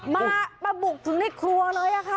มาบุกถึงในครัวเลยค่ะ